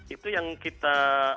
itu yang kita